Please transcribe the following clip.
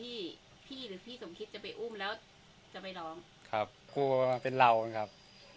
พี่พี่หรือพี่สมคิดจะไปอุ้มแล้วจะไปร้องครับกลัวเป็นเรานะครับ